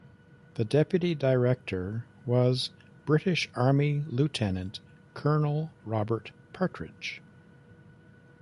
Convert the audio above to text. The deputy director was British Army Lieutenant Colonel Robert Partridge.